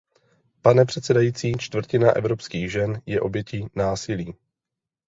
Pane předsedající, čtvrtina evropských žen je obětí násilí.